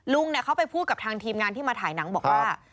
ลุงเขาไปพูดกับทางทีมงานที่มาถ่ายหนังบอกว่า